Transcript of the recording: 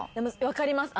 分かります。